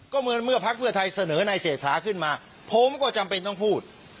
ก็เมื่อพักเพื่อไทยเสนอในเศรษฐาขึ้นมาผมก็จำเป็นต้องพูด